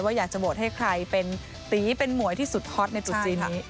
ว่าอยากจะโบสถ์ให้ใครเป็นตีเป็นหมวยที่สุดฮอตในตุ๊กซีนนี้